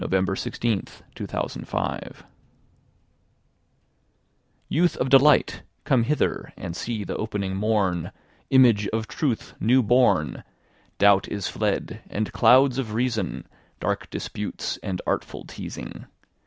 THE VOICE OF THE ANCIENT BARD Youth of delight! come hither And see the opening morn, Image of Truth new born. Doubt is fled, and clouds of reason, Dark disputes and artful teazing.